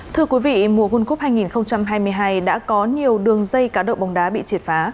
thưa quý vị mùa world cup hai nghìn hai mươi hai đã có nhiều đường dây cá độ bóng đá bị triệt phá